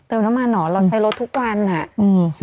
เติมน้ำมันหรอเราใช้รถทุกวันนั้น